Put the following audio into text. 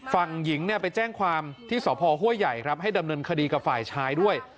ฝั่งหญิงไปแจ้งความที่สพห้วยใหญ่ครับให้ดำเนินคดีกับฝ่ายชายด้วย